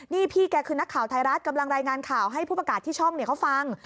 นี่พี่แกคือนักข่าวไทยรัฐกำลังรายงานข่าวให้ผู้ประกาศที่ช่องเขาฟัง